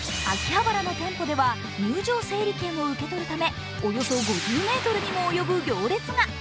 秋葉原の店舗では入場整理券を受け取るためおよそ５０ｍにも及ぶ行列が。